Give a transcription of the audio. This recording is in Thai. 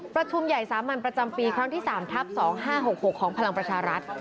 ประชุมใหญ่สามัญประจำปีครั้งที่๓ทับ๒๕๖๖ของพลังประชารัฐ